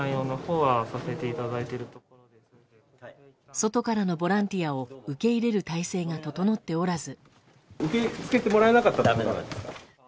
外からのボランティアを受け入れる態勢が整っておらず。